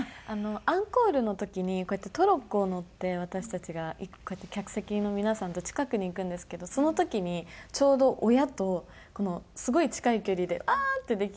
アンコールの時にこうやってトロッコ乗って私たちがこうやって客席の皆さんの近くに行くんですけどその時にちょうど親とすごい近い距離でああー！ってできて。